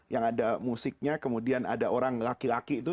yang ada musiknya kemudian ada orang laki laki itu